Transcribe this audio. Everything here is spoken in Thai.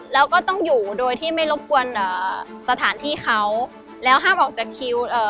แล้วก็ต้องอยู่โดยที่ไม่รบกวนอ่าสถานที่เขาแล้วห้ามออกจากคิวเอ่อ